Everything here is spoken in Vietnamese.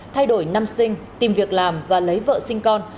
thay đổi năm sinh tìm việc làm và lấy vợ sinh con